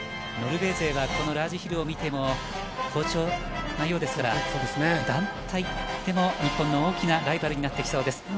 ノルウェー勢はこのラージヒルを見ても好調なようですから団体でも日本の大きなライバルになってきそうです。